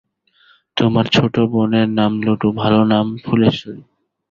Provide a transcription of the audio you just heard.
তোমার ছোট বোনের নাম লুটু, ভালো নাম ফুলেশ্বরী।